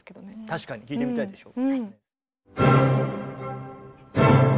確かに聴いてみたいでしょ。